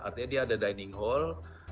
artinya dia ada dining hall